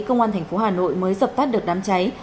công an tp hà nội mới dập tắt được đám cháy